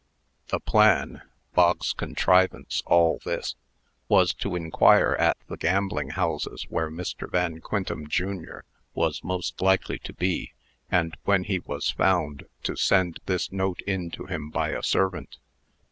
The plan (Bog's contrivance all this) was to inquire at the gambling houses where Mr. Van Quintem, jr., was most likely to be, and, when he was found, to send this note in to him by a servant.